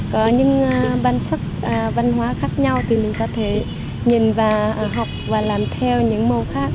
có những bản sắc văn hóa khác nhau thì mình có thể nhìn và học và làm theo những màu khác